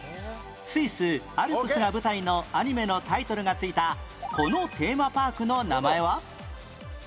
スイスアルプスが舞台のアニメのタイトルがついたこのテーマパークの名前は？